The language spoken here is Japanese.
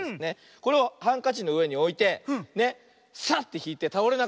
これをハンカチのうえにおいてサッてひいてたおれなかったらせいこう。